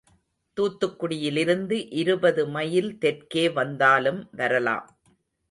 தூத்துக்குடியிலிருந்து இருபதுமைல் தெற்கே வந்தாலும் வரலாம்.